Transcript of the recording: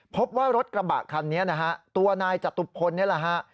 พบว่ารถกระบะคันนี้นะฮะตัวนายจตุพลนี่แหละฮะ